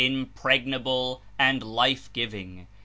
Impregnable and LIfe glvIng.